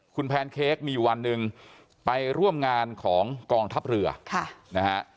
คุณแพนเค้กมีอยู่วันหนึ่งไปร่วมงานของกองทัพเรือนะฮะ